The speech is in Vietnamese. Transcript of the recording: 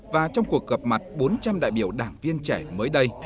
và trong cuộc gặp mặt bốn trăm linh đại biểu đảng viên trẻ mới đây